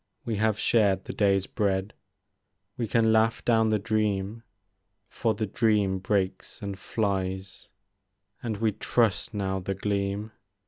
We have shared the day's bread* We can laugh down the dream. For the dream breaks and flies ; And we trust now the gleam.